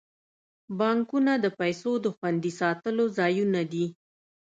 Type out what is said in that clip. بانکونه د پیسو د خوندي ساتلو ځایونه دي.